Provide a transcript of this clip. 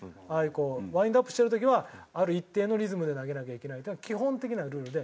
こうワインドアップしてる時はある一定のリズムで投げなきゃいけないっていうのは基本的なルールで。